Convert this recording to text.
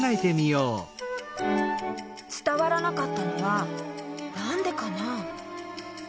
つたわらなかったのはなんでかな？